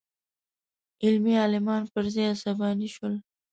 علمي عالمان پر ځای عصباني شول.